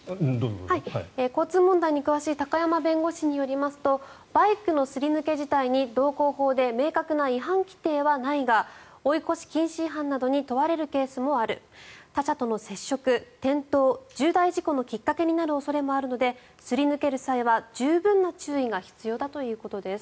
交通問題に詳しい高山弁護士によりますとバイクのすり抜け自体に道交法で明確な違反規定はないが追い越し禁止違反などに問われるケースもある他車との接触、転倒、重大事故のきっかけになる恐れもあるのですり抜ける際は十分な注意が必要だということです。